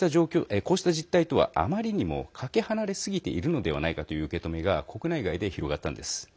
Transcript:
こうした実態とはあまりにもかけ離れすぎているのではないかという受け止めが国内外で広がったんです。